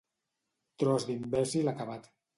Tros d'imbècil acabat.